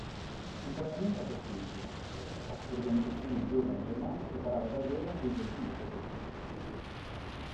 Contrariamente a quest'ultimo, però, l'organizzazione Giovane Germania preparava davvero un rivolgimento politico.